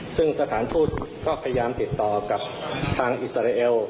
ซึ่งสถานทูตก็พยายามติดต่อกับทางอิสราเอล